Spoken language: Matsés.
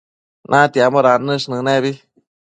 natiambo dannësh nënebi